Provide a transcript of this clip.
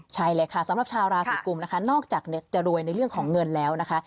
ใช่เลยค่ะสำหรับชาวราศีกุมนะคะนอกจากจะรวยในเรื่องของเงินแล้วนะคะ